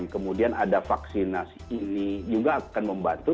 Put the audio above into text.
kemudian ada vaksinasi ini juga akan membantu